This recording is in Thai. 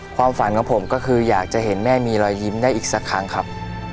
ความฝันของผมก็คืออยากจะเห็นแม่มีรอยยิ้มได้อีกสักครั้งครับ